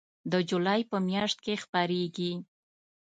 د جولای په میاشت کې خپریږي